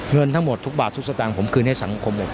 เงินทั้งหมดทุกบาททุกสตางค์ผมคืนให้สังคมเลย